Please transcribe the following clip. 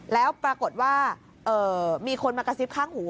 แล้วปรากฏว่ามีคนมากระซิบข้างหู